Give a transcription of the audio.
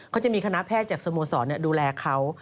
เขาจะมีคณะแพทย์จากสโมสรดูแลเขา